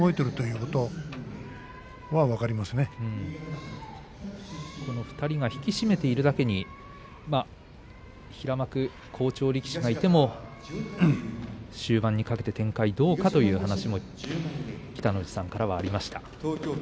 この２人が引き締めているだけに平幕に好調力士がいても終盤にかけて展開はどうかという話を北の富士さんから伺いました。